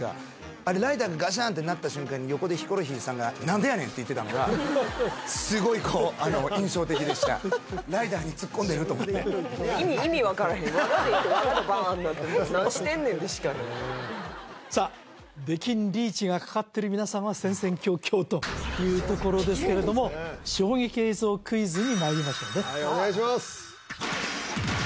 あれライダーがガシャーンってなった瞬間にって言ってたのがすごいこうあの印象的でしたライダーにツッコんでると思って意味意味分からへんさあ出禁リーチがかかってる皆さんは戦々恐々というところですけれども衝撃映像クイズにまいりましょうねはいお願いします